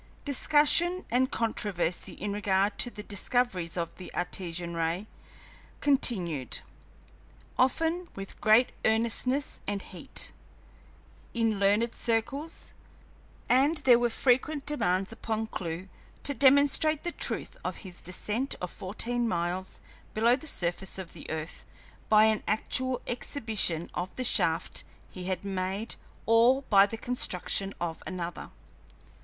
Discussion and controversy in regard to the discoveries of the Artesian ray continued, often with great earnestness and heat, in learned circles, and there were frequent demands upon Clewe to demonstrate the truth of his descent of fourteen miles below the surface of the earth by an actual exhibition of the shaft he had made or by the construction of another.